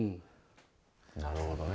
なるほどね。